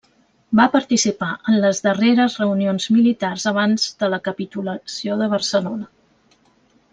Va participar en les darreres reunions militars abans de la capitulació de Barcelona.